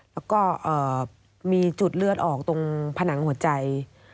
แล้วก็มีจุดเลือดออกตรงผนังหัวใจ